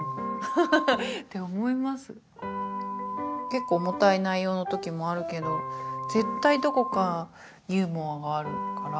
結構重たい内容の時もあるけど絶対どこかユーモアがあるから。